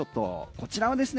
こちらはですね。